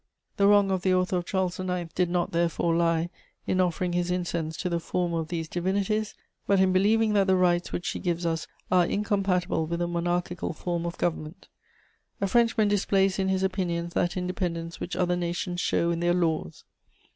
The wrong of the author of Charles IX did not, therefore, lie in offering his incense to the former of these divinities, but in believing that the rights which she gives us are incompatible with a monarchical form of government. A Frenchman displays in his opinions that independence which other nations show in their laws.